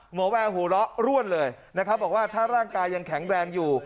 แววหัวเราะร่วนเลยนะครับบอกว่าถ้าร่างกายยังแข็งแรงอยู่